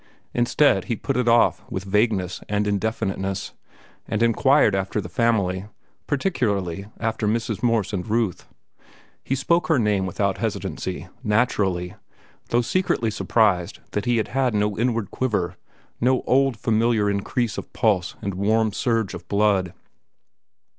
Instead, he put it off with vagueness and indefiniteness and inquired after the family, particularly after Mrs. Morse and Ruth. He spoke her name without hesitancy, naturally, though secretly surprised that he had had no inward quiver, no old, familiar increase of pulse and warm surge of blood.